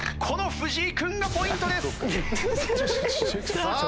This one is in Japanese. この藤井君がポイントです。